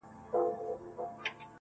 دا چي زه څه وايم، ته نه پوهېږې، څه وکمه.